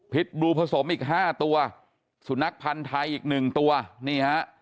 พิษบลูผสมอีก๕ตัวสุนัขพันธ์ไทยอีก๑ตัวนี่ฮะ